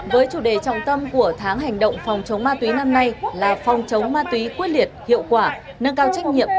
với chủ đề trọng tâm của tháng hành động phòng chống ma túy năm nay là phòng chống ma túy quyết liệt hiệu quả nâng cao trách nhiệm